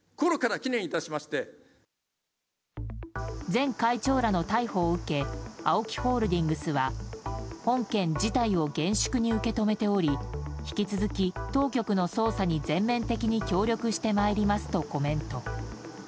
前会長らの逮捕を受けＡＯＫＩホールディングスは本件事態を厳粛に受け止めており引き続き、当局の捜査に全面的に協力してまいりますとコメント。